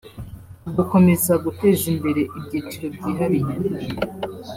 Gukomeza guteza imbere ibyiciro byihariye